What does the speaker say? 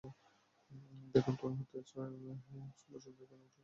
দেখুন, তনু হত্যায় এক্সুমেশন হয়েছে, এটা কিন্তু আবার একেবারেই আলাদা টেকনিক।